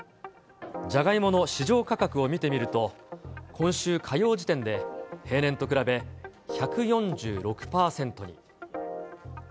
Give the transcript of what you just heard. じゃがいもの市場価格を見てみると今週火曜時点で、平年と比べ１４６％に。